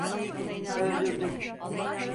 Öldürdüm.